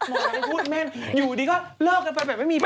หมอไม่พูดแม่นอยู่ดีก็เลิกกันไปแบบไม่มี